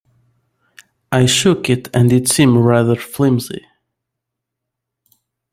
I shook it, and it seemed rather flimsy.